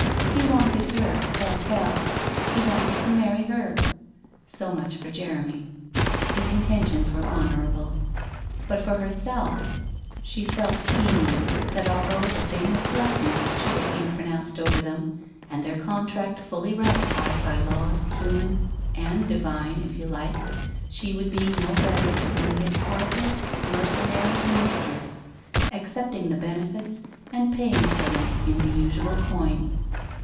He wanted her, tel quel; he wanted to marry her. So much for Jeremy. His intentions were honourable. But for herself, she felt keenly that although the famous blessing should have been pronounced over them, and their contract fully ratified by laws human, and divine, if you like, she would be no better than his heartless, mercenary mistress, accepting benefits and paying for them in the usual coin.